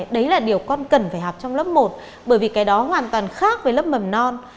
đấy là điều con cần phải học trong lớp một bởi vì cái đó hoàn toàn khác với lớp mầm non